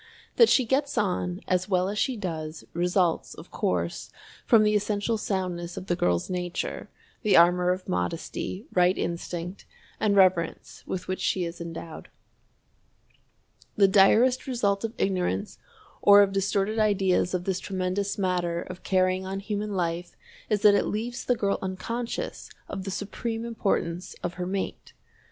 That she gets on as well as she does, results, of course, from the essential soundness of the girl's nature, the armor of modesty, right instinct, and reverence with which she is endowed. The direst result of ignorance or of distorted ideas of this tremendous matter of carrying on human life is that it leaves the girl unconscious of the supreme importance of her mate.